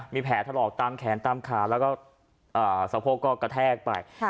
มีแผลถลอกตามแขนตามขาแล้วก็สะโพกก็กระแทกไป